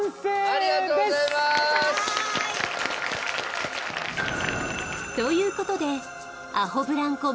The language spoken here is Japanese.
ありがとうございます！ということでアホブランコ